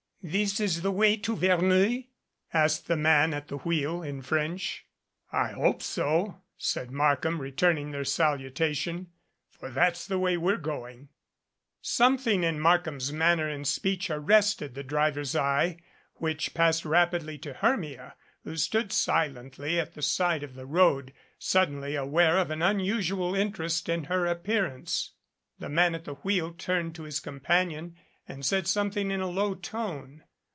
"This is the way to Verneuil?" asked the man at the wheel in French. "I hope so," said Markham returning their salutation. "For that's the way we're going." 158 DANGER Something in Markham' s manner and speech arrested the driver's eye, which passed rapidly to Hermia, who stood silently at the side of the road, suddenly aware of an unusual interest in her appearance. The man at the wheel turned to his companion and said something in a low tone.